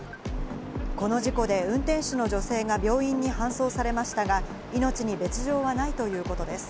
この事故で運転手の女性が病院に搬送されましたが、命に別条はないということです。